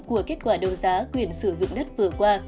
của kết quả đấu giá quyền sử dụng đất vừa qua